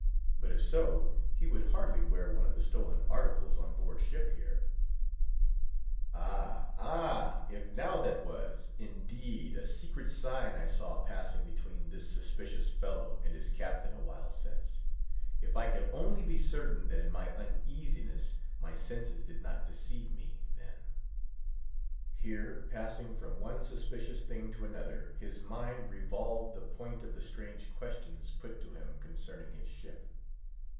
But if so, he would hardly wear one of the stolen articles on board ship here. Ah, ah—if, now, that was, indeed, a secret sign I saw passing between this suspicious fellow and his captain awhile since; if I could only be certain that, in my uneasiness, my senses did not deceive me, then— Here, passing from one suspicious thing to another, his mind revolved the strange questions put to him concerning his ship.